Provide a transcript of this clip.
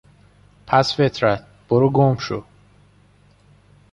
پست فطرت، بروگمشو!